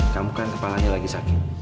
kamu kan kepalanya lagi sakit